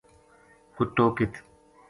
کُتو ک